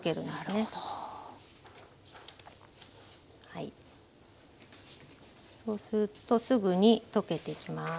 はいそうするとすぐに溶けていきます。